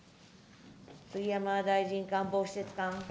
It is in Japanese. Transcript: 杉山大臣官房施設監。